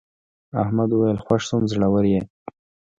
احمد وویل خوښ شوم زړور یې.